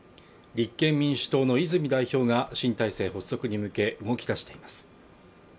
立憲民主党の泉代表が新体制発足に向け動き出しています